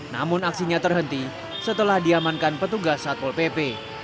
namun aksinya terhenti setelah diamankan petugas satpol pp